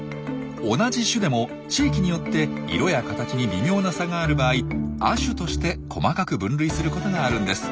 同じ種でも地域によって色や形に微妙な差がある場合「亜種」として細かく分類することがあるんです。